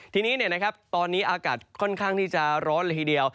ทีนี้ตอนนี้อากาศค่อนข้างที่จะร้อนเลยทีเดียว